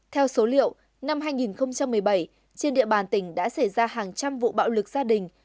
theo số liệu năm hai nghìn một mươi bảy trên địa bàn tỉnh đã xảy ra hàng trăm vụ bạo lực gia đình